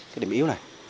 cái điểm yếu này